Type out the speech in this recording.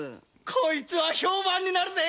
こいつは評判になるぜ。